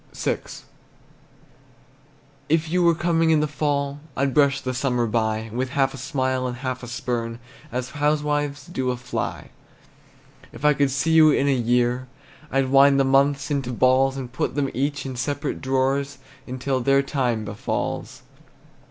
VI. If you were coming in the fall, I'd brush the summer by With half a smile and half a spurn, As housewives do a fly. If I could see you in a year, I'd wind the months in balls, And put them each in separate drawers, Until their time befalls.